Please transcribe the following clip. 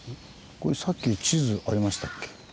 これさっき地図ありましたっけ。